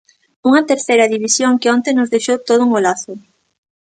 Unha Terceira División que onte nos deixou todo un golazo.